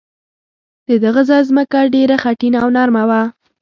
د دغه ځای ځمکه ډېره خټینه او نرمه وه.